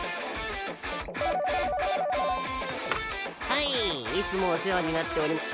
はいいつもお世話になっておりま。